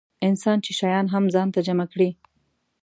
انسان چې شیان هم ځان ته جمع کړي.